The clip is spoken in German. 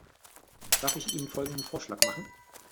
Darf ich Ihnen folgenden Vorschlag machen?